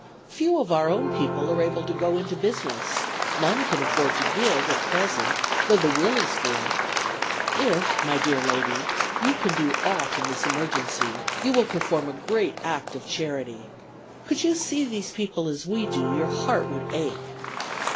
Few of our own people are able to go into business; none can afford to give at present, though the will is good. If, my dear lady, you can do aught in this emergency, you will perform a great act of charity. Could you see these people as we do your heart would ache.